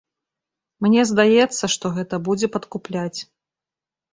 Мне здаецца, што гэта будзе падкупляць.